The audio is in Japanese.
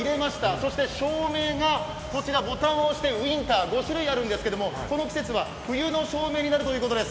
そして照明が、ボタンを押して、ウインター、５種類あるんですけれども、この季節は冬の照明になるということです。